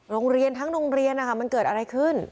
โรงเรียนทั้งโรงเรียนมันเกิดอะไรขึ้น